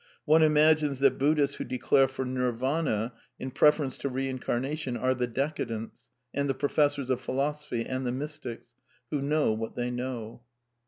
One imagines that Buddhists who declare for Nirvana in preference to reincarnation are the decadents, and the professors of philosophy, and the mystics — who know what they know.